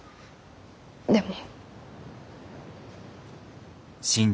でも。